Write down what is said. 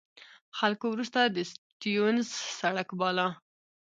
خلکو وروسته د سټیونز سړک باله.